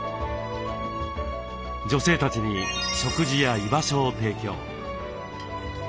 女性たちに食事や居場所を提供。